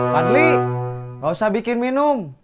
fadli gak usah bikin minum